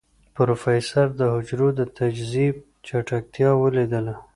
پروفيسر د حجرو د تجزيې چټکتيا وليدله.